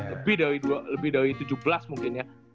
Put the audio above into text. lebih dari tujuh belas mungkin ya